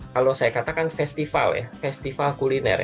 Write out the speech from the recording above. kalau saya katakan festival ya festival kuliner